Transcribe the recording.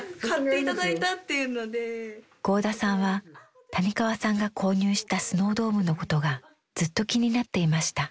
合田さんは谷川さんが購入したスノードームのことがずっと気になっていました。